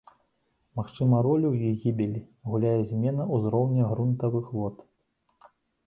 Магчыма, ролю ў іх гібелі гуляе змена ўзроўня грунтавых вод.